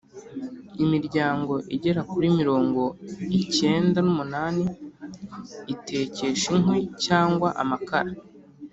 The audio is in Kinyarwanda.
imiryango igera kuri mirongo iicyenda n’umunani itekesha inkwi cyangwa amakara.